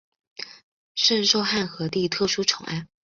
甚受汉和帝特殊宠爱。